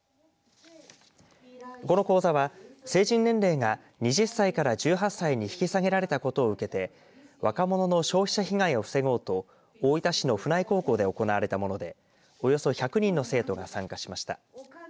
この講座は、成人年齢が２０歳から１８歳に引き下げられたことを受けて若者の消費者被害を防ごうと大分市の府内高校で行われたものでおよそ１００人の生徒が参加しました。